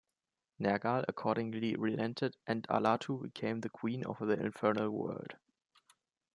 Nergal accordingly relented, and Allatu became the queen of the infernal world.